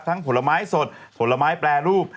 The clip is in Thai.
ผลไม้สดผลไม้แปรรูป